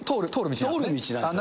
通る道なんですね。